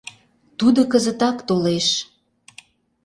Тудо кызытак толеш...